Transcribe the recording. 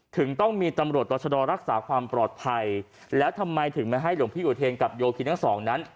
ถึงต้องมีตำรวจต่อชะดอรักษาความปลอดภัยแล้วทำไมถึงไม่ให้หลวงพี่อุเทนกับโยคินทั้งสองนั้น